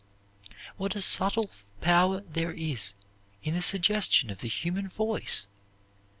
What a subtle power there is in the suggestion of the human voice!